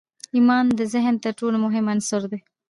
ایمان د ذهن تر ټولو مهم عنصر دی